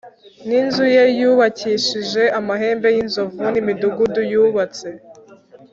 n’inzu ye yubakishije amahembe y’inzovu n’imidugudu yubatse